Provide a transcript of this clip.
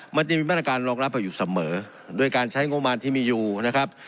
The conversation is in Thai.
มันจะมีมาตรการรองรับอยู่เสมอด้วยการใช้งบมารที่มีอยู่นะครับ